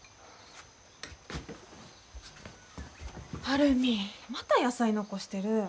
晴海また野菜残してる！